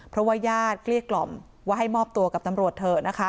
เพราะว่าญาติเกลี้ยกล่อมว่าให้มอบตัวกับตำรวจเถอะนะคะ